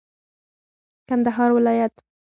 کندهار ولايت